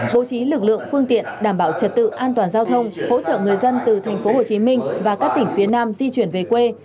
bố trí lực lượng phương tiện đảm bảo trật tự an toàn giao thông hỗ trợ người dân từ tp hcm và các tỉnh phía nam di chuyển về quê